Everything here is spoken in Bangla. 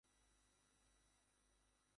শুনছো তো, সাতোরু?